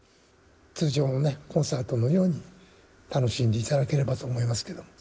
通常のコンサートのように、楽しんでいただければと思いますけども。